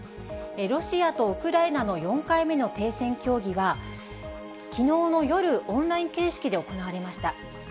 ロシアとウクライナの４回目の停戦協議は、きのうの夜、オンライン形式で行われました。